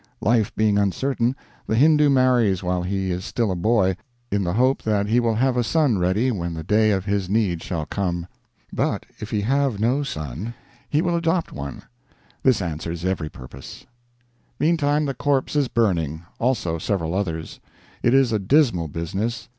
Life being uncertain, the Hindoo marries while he is still a boy, in the hope that he will have a son ready when the day of his need shall come. But if he have no son, he will adopt one. This answers every purpose. Meantime the corpse is burning, also several others. It is a dismal business.